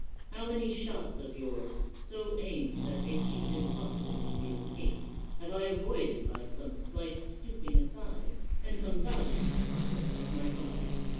How many shots of yours, so aimed that they seemed impossible to be escaped, have I avoided by some slight stooping aside, and some dodging, as it were, of my body?